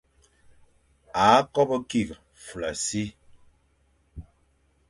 A kobo kig fulassi.